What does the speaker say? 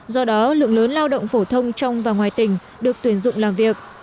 do đó lượng lớn lao động phổ thông trong và ngoài tỉnh được tuyển dụng làm việc